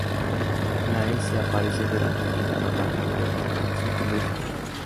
La S aparece durante el llenado rápido del ventrículo izquierdo.